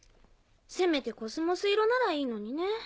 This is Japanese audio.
せめてコスモス色ならいいのにねぇ。